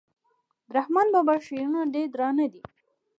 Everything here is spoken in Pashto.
د رحمان بابا شعرونه ډير درانده دي.